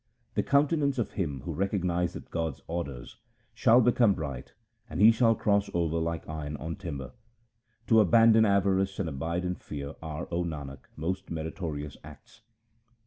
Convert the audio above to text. The countenance of him who recognizeth God's orders shall become bright, and he shall cross over like iron on timber. To abandon avarice and abide in fear are, O Nanak, most meritorious acts.